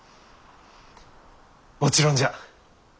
もちろんじゃ。